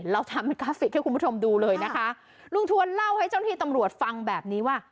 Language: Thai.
เราทำเป็นกราฟิกให้คุณผู้ชมดูเลยนะคะลุงทวนเล่าให้เจ้าหน้าที่ตำรวจฟังแบบนี้ว่า